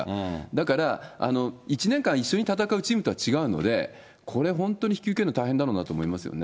だから１年間、一緒に戦うチームとは違うので、これ、本当に引き受けるの大変だろうなと思いますよね。